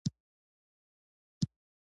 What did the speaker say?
دا سیستم د هیواد په مالي خپلواکۍ کې مرسته کوي.